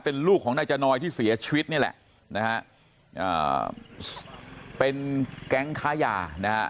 เป็นลูกของนายจานอยที่เสียชีวิตนี่แหละนะฮะอ่าเป็นแก๊งค้ายานะฮะ